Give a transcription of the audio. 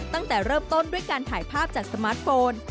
ตั้งแต่เริ่มต้นด้วยการถ่ายภาพจากสมาร์ทโฟน